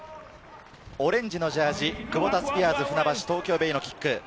オレンジのジャージー、クボタスピアーズ船橋・東京ベイのキック。